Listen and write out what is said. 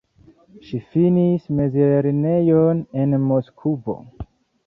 Ŝi finis mezlernejon en Moskvo.